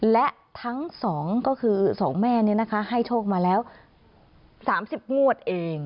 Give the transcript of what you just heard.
และทั้งสองก็คือสองแม่นี่นะคะให้โชคมาแล้ว๓๐งวดเอง